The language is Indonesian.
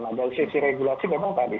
nah dari sisi regulasi memang tadi